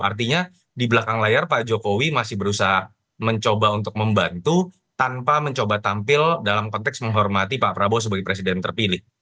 artinya di belakang layar pak jokowi masih berusaha mencoba untuk membantu tanpa mencoba tampil dalam konteks menghormati pak prabowo sebagai presiden terpilih